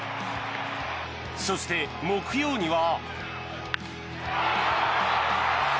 そして、木曜には。